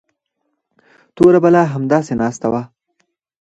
توره بلا همداسې ناسته وه.